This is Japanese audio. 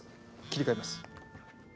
切り替えます。